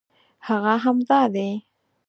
هغه همدا دی.